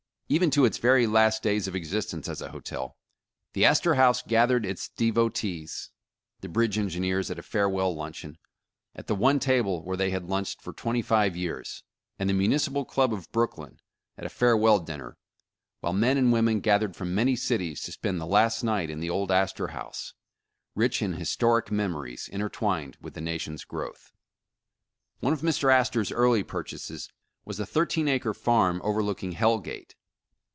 Even to its very last days of existence as a hotel, the Astor House gathered its devo tees, — the bridge engineers at a farewell luncheon, at the one table where they had lunched for twenty five years; and the Municipal Club of Brooklyn, at a fare well dinner; while men and women gathered from many cities to spend the last night in the old Astor House, rich in historic memories intertwined with the nation's growth. One of Mr. Astor 's early purchases was a thirteen acre farm, overlooking Hell Gate.